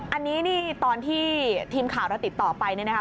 อันนี้นี่ตอนที่ทีมข่าวเราติดต่อไปเนี่ยนะคะ